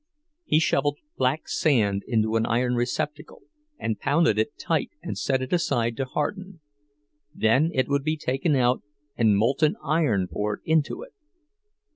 He shoveled black sand into an iron receptacle and pounded it tight and set it aside to harden; then it would be taken out, and molten iron poured into it.